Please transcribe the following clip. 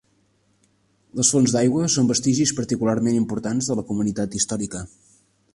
Les fonts d'aigua són vestigis particularment importants de la comunitat històrica.